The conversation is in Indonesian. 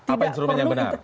apa instrumen yang benar